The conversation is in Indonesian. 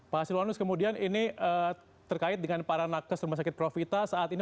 pak silwanus kemudian ini terkait dengan para nakes rumah sakit profita saat ini